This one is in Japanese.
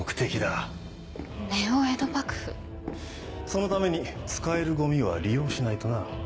そのために使えるゴミは利用しないとな。